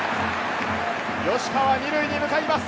吉川、２塁に向かいます！